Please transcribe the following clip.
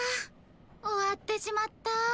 終わってしまった。